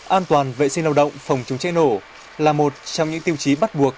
an toàn vệ sinh lao động phòng chống cháy nổ là một trong những tiêu chí bắt buộc